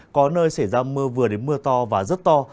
có nơi xảy ra mưa vừa đến mưa to và rất to